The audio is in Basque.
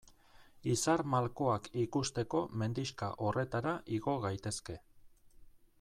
Izar malkoak ikusteko mendixka horretara igo gaitezke.